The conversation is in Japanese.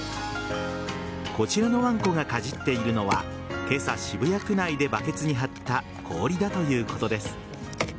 こちらのワンコがかじっているのは今朝、渋谷区内でバケツに張った氷だということです。